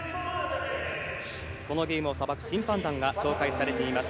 このゲームを裁く審判団が紹介されています。